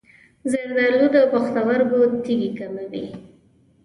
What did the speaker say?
زردآلو د پښتورګو تیږې کموي.